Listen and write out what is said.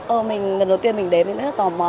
ơ mình lần đầu tiên mình đến mình rất là tò mò